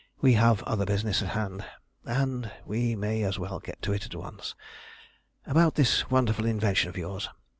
We have other business in hand, and we may as well get to it at once. About this wonderful invention of yours.